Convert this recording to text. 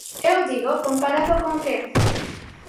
Eu digo: "comparado con quen?".